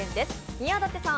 宮舘さん